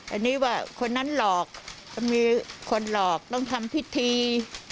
อันนี้ว่าคนนั้นหลอกต้องมีคนหลอกต้องทำพิธี